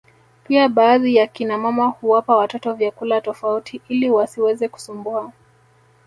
pia baadhi ya kina mama huwapa watoto vyakula tofauti ili wasiweze kusumbua